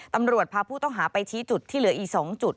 ตำรวจพาผู้ต้องหาไปชี้จุดที่เหลืออีก๒จุด